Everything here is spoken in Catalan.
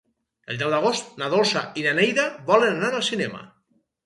El deu d'agost na Dolça i na Neida volen anar al cinema.